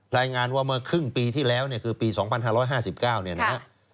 รายงานว่าเมื่อครึ่งปีที่แล้วเนี่ยคือปี๒๕๕๙เนี่ยนะฮะ